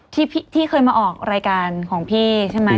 ที่พี่เคยมาออกรายการของพี่ใช่ไหม